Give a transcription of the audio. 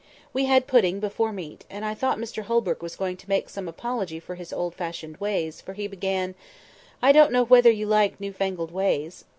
We had pudding before meat; and I thought Mr Holbrook was going to make some apology for his old fashioned ways, for he began— "I don't know whether you like newfangled ways."